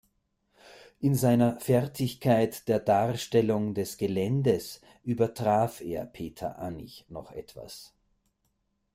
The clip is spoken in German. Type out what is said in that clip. In seiner Fertigkeit der Darstellung des Geländes übertraf er Peter Anich noch etwas.